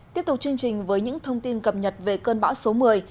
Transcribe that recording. tiếp tục chương trình với những thông tin cập nhật về cơn bão số một mươi